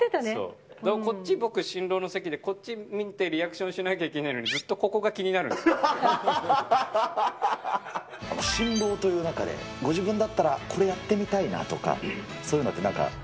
そうだ、そう、こっち僕、新郎の席で、こっち見てリアクションしなきゃいけないのに、ずっとここが気に新郎という中で、ご自分だったら、これ、やってみたいなとか、そういうのってなんか。